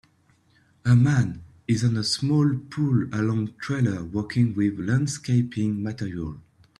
A man is on a small pull along trailer working with landscaping material.